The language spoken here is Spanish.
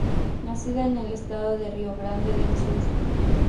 Nacida en el estado de Río Grande del Sur.